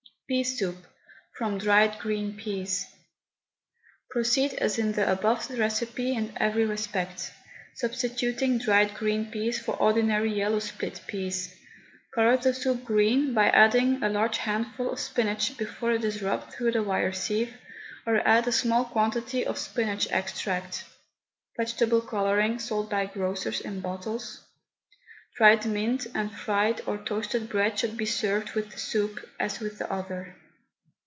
PEA SOUP, FROM DRIED GREEN PEAS. Proceed as in the above recipe in every respect, substituting dried green peas for ordinary yellow split peas. Colour the soup green by adding a large handful of spinach before it is rubbed through the wire sieve, or add a small quantity of spinach extract (vegetable colouring sold by grocers in bottles); dried mint and fried or toasted bread should be served with the soup, as with the other.